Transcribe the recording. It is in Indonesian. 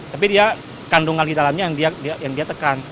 tapi dia kandungan di dalamnya yang dia tekan